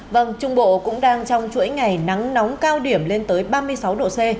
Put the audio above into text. vâng trung bộ cũng đang trong chuỗi ngày nắng nóng cao điểm lên tới ba mươi sáu độ c